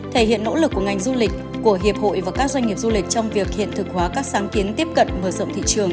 thể hiện nỗ lực của ngành du lịch của hiệp hội và các doanh nghiệp du lịch trong việc hiện thực hóa các sáng kiến tiếp cận mở rộng thị trường